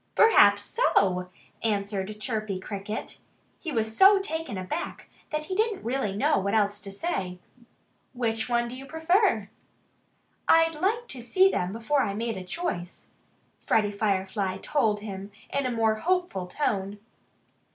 "Perhaps so!" answered Chirpy Cricket. He was so taken aback that he really didn't know what else to say. "Which one do you prefer?" "I'd have to see them before I made a choice," Freddie Firefly told him in a more hopeful tone.